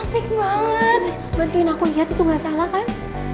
patri cantik banget bantuin aku liat itu gak salah kan